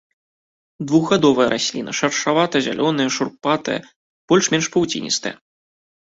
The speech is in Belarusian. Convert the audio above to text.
Двухгадовая расліна, шаравата-зялёная, шурпатая, больш-менш павуціністая.